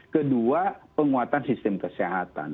kedua penguatan sistem kesehatan